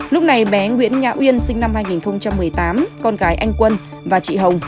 lúc này bé nguyễn nhã uyên sinh năm hai nghìn một mươi tám con gái anh quân và chị hồng